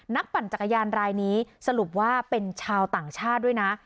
ปั่นจักรยานรายนี้สรุปว่าเป็นชาวต่างชาติด้วยนะ